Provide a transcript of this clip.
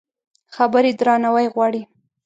خبرې درناوی غواړي.